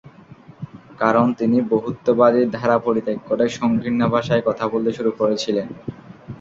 কারণ, তিনি বহুত্ববাদী ধারা পরিত্যাগ করে সংকীর্ণ ভাষায় কথা বলতে শুরু করেছিলেন।